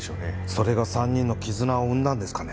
それが３人の絆を生んだんですかねえ。